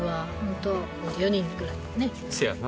せやな。